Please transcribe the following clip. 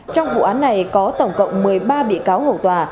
trong vụ án này có tổng cộng một mươi ba bị cáo hầu tòa